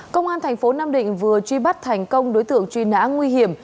công an thành phố nam định vừa truy bắt thành công đối tượng truy nã nguy hiểm